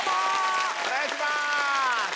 お願いします！